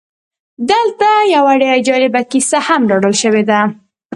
دلته یوه ډېره جالبه کیسه هم راوړل شوې ده